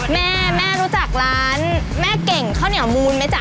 แม่แม่รู้จักร้านแม่เก่งข้าวเหนียวมูลไหมจ๊